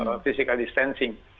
dan juga physical distancing